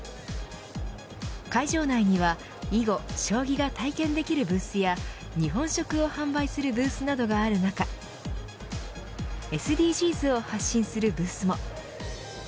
会場内には囲碁、将棋が体験できるブースや日本食を販売するブースなどがある中ＳＤＧｓを発信するブースも。